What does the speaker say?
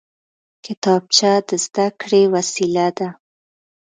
کتابچه د زده کړې وسیله ده